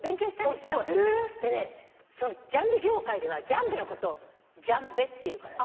でねそのジャンベ業界ではジャンベのことをジャンベって言うからね。